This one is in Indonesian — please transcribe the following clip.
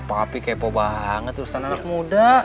tapi kepo banget urusan anak muda